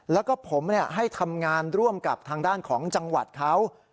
แล้วก็ผมให้ทำงานร่วมกับทางด้านของจังหวัดเขา